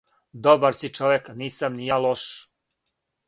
Добар си човек, нисам ни ја лош!